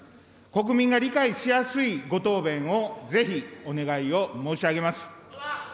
国民が理解しやすいご答弁をぜひお願いを申し上げます。